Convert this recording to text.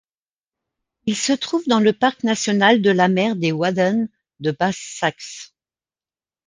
Il se trouve dans le Parc national de la mer des Wadden de Basse-Saxe.